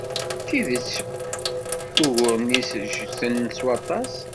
D tidet, uguren-is ggten s waṭṭas.